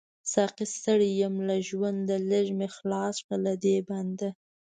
ساقۍ ستړی يم له ژونده، ليږ می خلاص کړه له دی بنده